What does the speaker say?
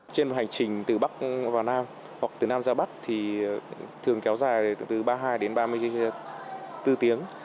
trên một hành trình từ bắc vào nam hoặc từ nam ra bắc thì thường kéo dài từ ba mươi hai đến ba mươi bốn tiếng